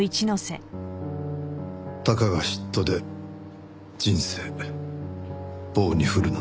たかが嫉妬で人生棒に振るなんて。